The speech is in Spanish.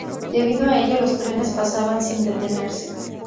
Debido a ello, los trenes pasaban sin detenerse.